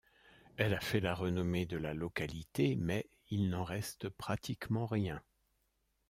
Elle a fait la renommée de la localité mais il n’en reste pratiquement rien.